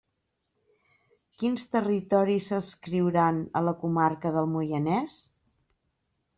Quins territoris s'adscriuran a la comarca del Moianès?